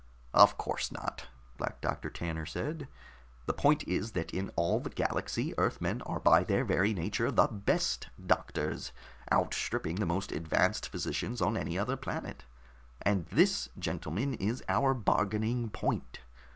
"Of course not," Black Doctor Tanner said. "The point is that in all the galaxy, Earthmen are by their very nature the best doctors, outstripping the most advanced physicians on any other planet. And this, gentlemen, is our bargaining point.